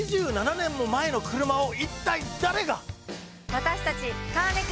私たち。